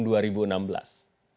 ya lu jadi bos